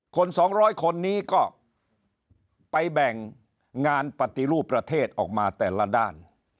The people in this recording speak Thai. ๒๐๐คนนี้ก็ไปแบ่งงานปฏิรูปประเทศออกมาแต่ละด้าน